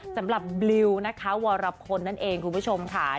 สำหรับบลิวนะคะวรพลนั่นเองคุณผู้ชมค่ะ